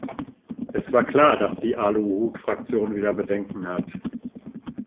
Es war klar, dass die Aluhutfraktion wieder Bedenken hat.